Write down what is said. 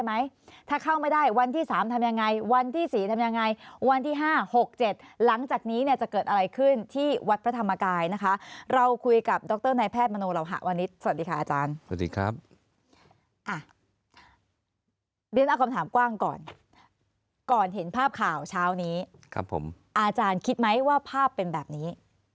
มโนเราหาวันนี้สวัสดีค่ะอาจารย์สวัสดีครับเรียนเอาคำถามกว้างก่อนก่อนเห็นภาพข่าวเช้านี้ครับผมอาจารย์คิดไหมว่าภาพเป็นแบบนี้